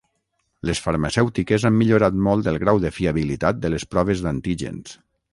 Les farmacèutiques han millorat molt el grau de fiabilitat de les proves d’antígens.